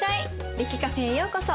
歴ｃａｆｅへようこそ。